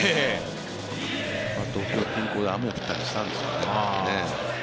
東京近郊は雨降ったりしたんですけどね。